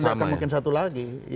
tidak akan mungkin satu lagi